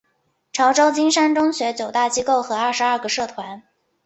潮州金山中学九大机构和二十二个社团。